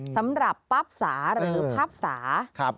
สำหรับปั๊บสาหรือพับสา